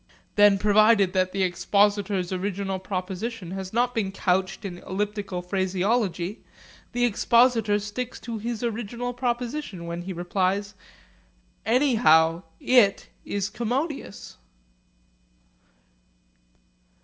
Then, provided that the expositor's original proposition has not been couched in elliptical phraseology, the expositor sticks to his original proposition when he replies, 'Anyhow, it is commodious.'